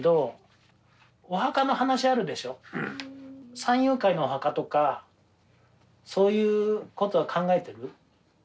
山友会の墓とかそういうことは考えてる？